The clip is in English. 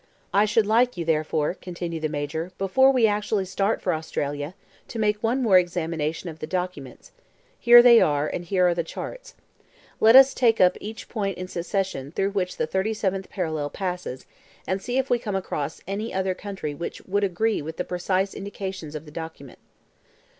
"I should like you, therefore," continued the Major, "before we actually start for Australia, to make one more examination of the documents. Here they are, and here are the charts. Let us take up each point in succession through which the 37th parallel passes, and see if we come across any other country which would agree with the precise indications of the document."